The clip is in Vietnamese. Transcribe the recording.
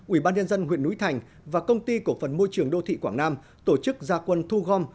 ubnd huyện núi thành và công ty cổ phần môi trường đô thị quảng nam tổ chức gia quân thu gom